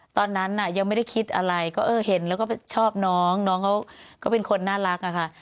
ตอนนั้นยังไม่ได้คิดอะไรก็เออเห็นแล้วก็ชอบน้องน้องเขาก็เป็นคนน่ารักอะค่ะ